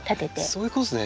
そういうことですね。